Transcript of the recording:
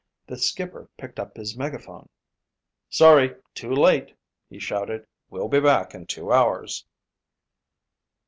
The skipper picked up his megaphone. "Sorry, too late," he shouted. "We'll be back in two hours."